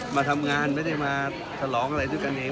มาทำงานไม่ได้มาฉลองอะไรด้วยกันเอง